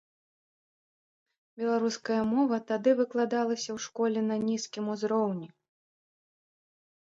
Беларуская мова тады выкладалася ў школе на нізкім узроўні.